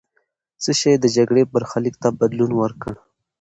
څه شی د جګړې برخلیک ته بدلون ورکړ؟